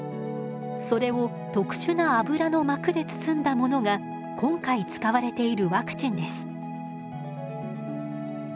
それを特殊な油の膜で包んだものが今回使われているワクチンです。